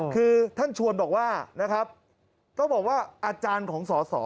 คือท่านชวนบอกว่านะครับต้องบอกว่าอาจารย์ของสอสอ